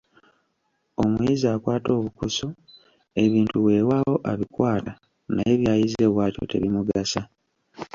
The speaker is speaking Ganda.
Omuyizi akwata obukusu, ebintu weewaawo abikwata, naye by'ayize bwatyo tebimugasa.